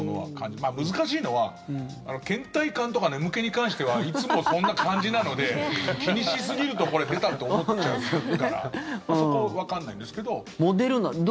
まあ難しいのはけん怠感とか眠気に関してはいつもそんな感じなので気にしすぎるとこれ、出たって思っちゃうからそこ、わかんないんですけど。